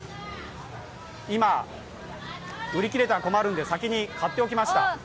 これ、実はですね、今、売り切れたら困るので先に買っておきました。